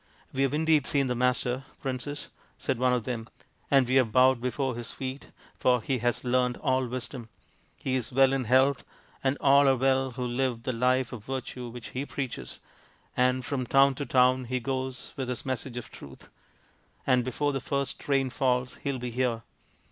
" We have indeed seen the Master, Princess," said one of them, " and we have bowed before his feet, for he has learnt all Wisdom. He is well in health, as all are well who live the life of virtue which he preaches, and from town to town he goes with his message of Truth. And before the first rain falls he will be here."